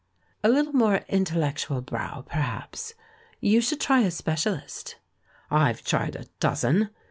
"A little more intellectual brow, perhaps ! You should try a specialist." "I've tried a dozen.